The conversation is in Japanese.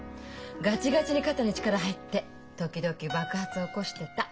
ガチガチに肩に力入って時々爆発起こしてた。